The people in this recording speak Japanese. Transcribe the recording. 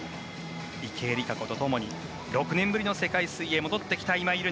池江璃花子と共に６年ぶりの世界水泳戻ってきた今井月。